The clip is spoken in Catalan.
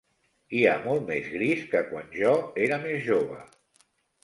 Hi ha molt més gris que quan jo era més jove.